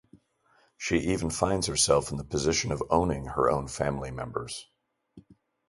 She even finds herself in the position of owning her own family members.